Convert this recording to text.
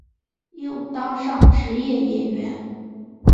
又当上职业演员。